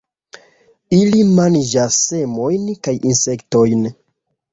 Ili manĝas semojn kaj insektojn.